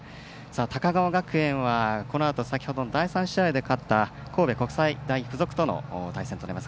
高川学園はこのあと先ほどの第３試合で勝った神戸国際大付属との対戦となります。